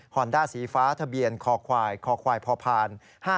อนด้าสีฟ้าทะเบียนคอควายคอควายพอพาน๕๗